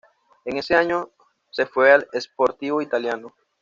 En ese año se fue al Sportivo Italiano.